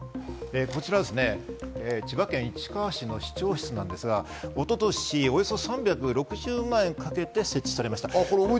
こちらは千葉県市川市の市長室なんですが、一昨年およそ３６０万円かけて設置されました。